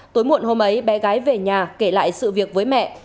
tối muộn hôm ấy bé gái về nhà kể lại sự việc với mẹ